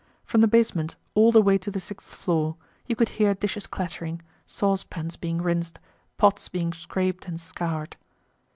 From the basement, all the way to the sixth floor, you could hear dishes clattering, saucepans being rinsed, pots being scraped and scoured.